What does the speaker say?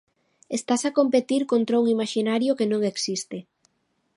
Estás a competir contra un imaxinario que non existe.